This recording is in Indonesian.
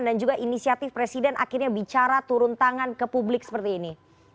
dan juga inisiatif presiden akhirnya bicara turun tangan ke publik seperti ini